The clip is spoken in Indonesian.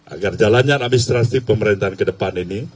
agar jalannya administrasi pemerintahan ke depan ini